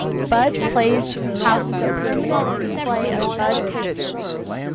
"Bud's Place" houses a permanent display of Bud's history.